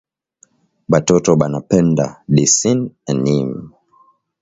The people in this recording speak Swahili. Batoto banapenda dissin annimé